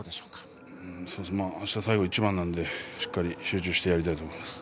あした最後一番なのでしっかり集中してやりたいと思います。